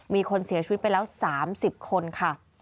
มีคนเสียชีวิตไปแล้ว๓๐คนค่ะ